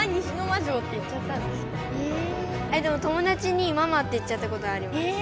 友達に「ママ」って言っちゃったことあります。